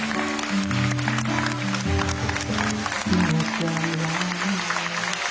เค้าใส่ชิ้นกล้าวและหลัง